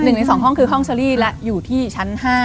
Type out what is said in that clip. หนึ่งใน๒ห้องคือห้องเชอรี่และอยู่ที่ชั้น๕